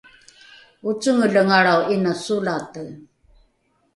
ocengelengalrao ’ina solate